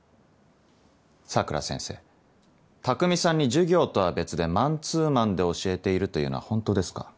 佐倉先生匠さんに授業とは別でマンツーマンで教えているというのは本当ですか？